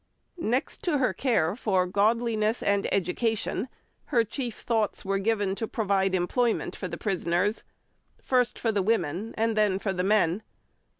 Next to her care for godliness and education, her chief thoughts were given to provide employment for the prisoners, first for the women, and then for the men.